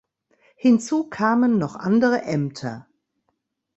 Hinzu kamen noch andere Ämter.